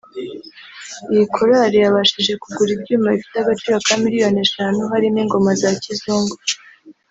Iyi Korale yabashije kugura ibyuma bifite agaciro ka milliyoni eshanu harimo ingoma za kizungu